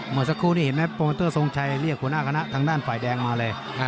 เมื่อสักครู่นี้เห็นไหมโปรโมเตอร์ทรงชัยเรียกหัวหน้าคณะทางด้านฝ่ายแดงมาเลย